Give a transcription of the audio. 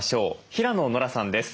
平野ノラさんです。